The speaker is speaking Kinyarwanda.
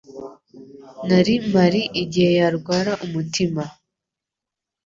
Nari mpari igihe yarwara umutima.